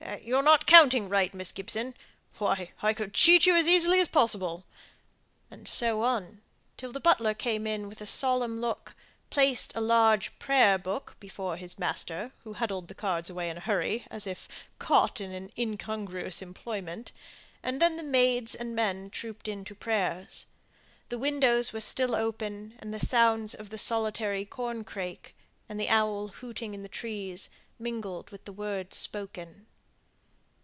You're not counting right, Miss Gibson. Why, I could cheat you as easily as possible." And so on, till the butler came in with a solemn look, placed a large prayer book before his master, who huddled the cards away in a hurry, as if caught in an incongruous employment; and then the maids and men trooped in to prayers the windows were still open, and the sounds of the solitary corncrake, and the owl hooting in the trees, mingled with the words spoken.